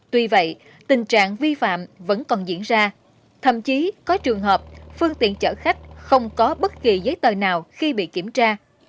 tuy vậy tình trạng vi phạm vẫn còn diễn ra thậm chí có trường hợp phương tiện chở khách không có bất kỳ giấy tờ nào khi bị kiểm tra